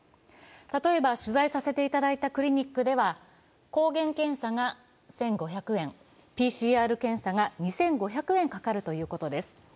例えば、取材させていただいたクリニックでは、抗原検査が１５００円、ＰＣＲ検査が２５００円かかるということです。